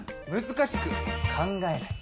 難しく考えない。